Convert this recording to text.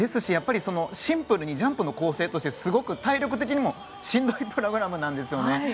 シンプルにジャンプの構成としてすごく体力的にもしんどいプログラムなんですよね。